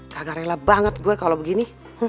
kagak rela banget gue kalau begini